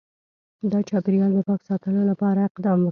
د چاپیریال د پاک ساتلو لپاره اقدام وکړي